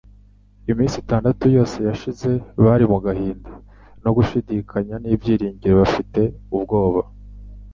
Iminsi itandatu yose yashize bari mu gahinda, no gushidikanya, n'ibyiringiro bafite ubwoba.